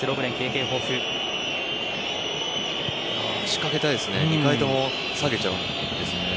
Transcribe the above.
仕掛けたいですけどね。